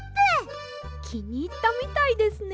きにいったみたいですね。